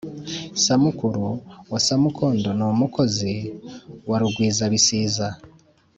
Samukuru wa Samukondo ni umukozi wa Rugwizabisiza